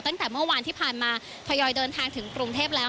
ตั้งแต่เมื่อวานที่ผ่านมาทยอยเดินทางถึงกรุงเทพแล้ว